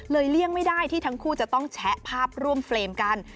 เลี่ยงไม่ได้ที่ทั้งคู่จะต้องแชะภาพร่วมเฟรมกัน